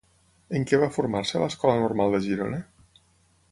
En què va formar-se a l'Escola Normal de Girona?